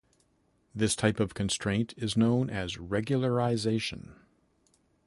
This type of constraint is known as regularization.